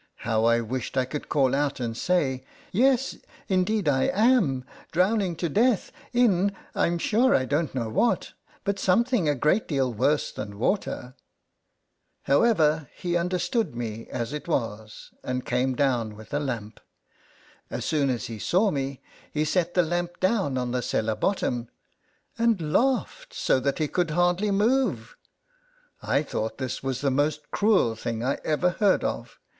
How I wished I could call out and say, " Yes, indeed, I am; drowning to death, in I 'm sure I don't know what, but something a great deal worse than water !" However, he understood me as it was, and came down with a lamp. As soon as he saw me, he set the lamp down on the cellar bottom, and laughed so that he could hardly move. I thought this was the most cruel thing I ever heard of.